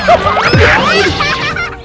pokoknya ada jahit